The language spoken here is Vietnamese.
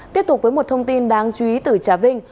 tiếp tục với một thông tin đáng chú ý từ trà vinh